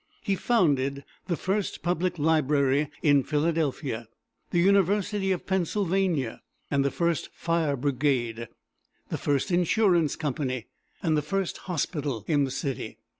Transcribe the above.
He founded the first public library in Philadelphia, the University of Pennsylvania, and the first fire brigade, the first insurance company, and the first hospital in the city.